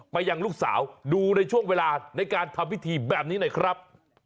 ยังลูกสาวดูในช่วงเวลาในการทำพิธีแบบนี้หน่อยครับ